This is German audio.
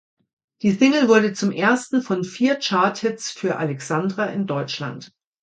Die Single wurde zum ersten von vier Charthits für Alexandra in Deutschland.